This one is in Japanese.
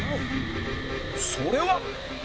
それは